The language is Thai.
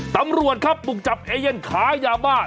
ตำรวจครับบุกจับเอเย่นขายาบ้า